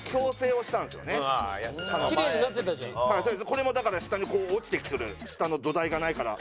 これもだから下にこう落ちてくる下の土台がないから。